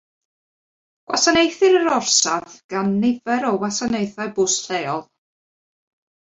Gwasanaethir yr orsaf gan nifer o wasanaethau bws lleol.